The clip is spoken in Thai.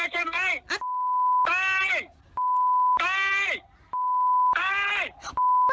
ขอมา